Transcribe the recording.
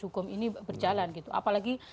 hukum ini berjalan gitu apalagi